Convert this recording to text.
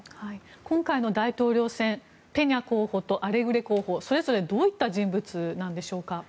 今回の大統領選ペニャ候補とアレグレ候補それぞれどういった人物なんでしょうか。